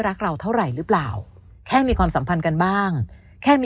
รักเราเท่าไหร่หรือเปล่าแค่มีความสัมพันธ์กันบ้างแค่มี